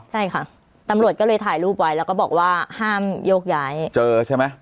ใช่ค่ะตำรวจก็เลยถ่ายรูปไว้แล้วก็บอกว่าห้ามโยกย้ายเจอใช่ไหม